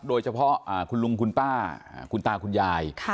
โดยเฉพาะคุณลุงคุณป้าคุณตาคุณยาย